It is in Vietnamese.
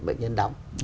bệnh nhân đóng